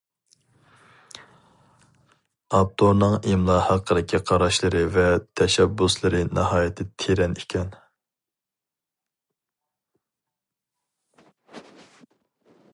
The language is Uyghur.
ئاپتورنىڭ ئىملا ھەققىدىكى قاراشلىرى ۋە تەشەببۇسلىرى ناھايىتى تېرەن ئىكەن.